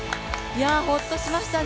ホッとしましたね。